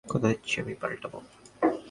কথা দিচ্ছি, আমি পাল্টাব।